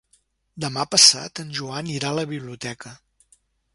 Demà passat en Joan irà a la biblioteca.